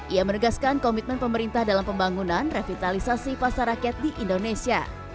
ia menegaskan komitmen pemerintah dalam pembangunan revitalisasi pasar rakyat di indonesia